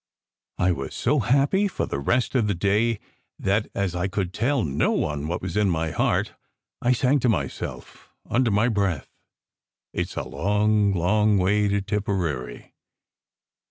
I was so happy for the rest of the day that, as I could tell no one what was in my heart, I sang to myself, under my breath, "It s a long, long way to Tipperary."